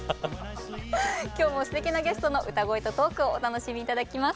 今日もすてきなゲストの歌声とトークをお楽しみ頂きます。